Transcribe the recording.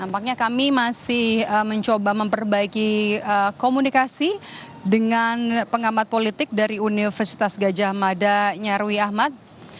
nampaknya kami masih mencoba memperbaiki komunikasi dengan pengamat politik dari universitas gajah mada nyarwi ahmad